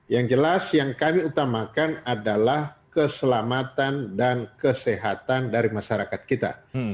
yang jelas yang kami utamakan adalah keselamatan dan kesehatan dari masyarakat kita